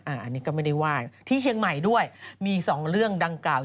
อันนี้ก็ไม่ได้ว่าที่เชียงใหม่ด้วยมีสองเรื่องดังกล่าว